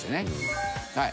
はい。